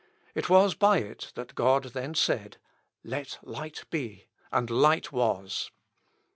It was by it that God then said, "Let light be, and light was."